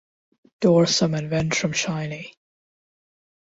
Dorsum and ventrum shiny.